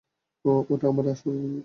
এটা আমার আসন।